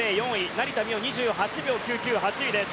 成田実生、２８秒９９８位です。